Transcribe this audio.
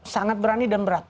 sangat berani dan berat